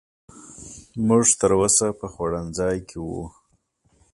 موږ تر اوسه په خوړنځای کې وو.